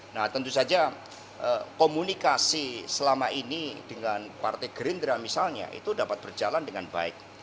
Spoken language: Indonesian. nah tentu saja komunikasi selama ini dengan partai gerindra misalnya itu dapat berjalan dengan baik